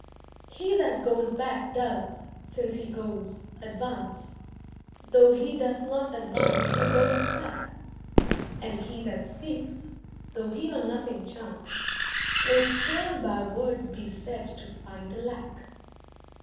He that goes back does, since he goes, advance, Though he doth not advance who goeth back, And he that seeks, though he on nothing chance, May still by words be said to find a lack.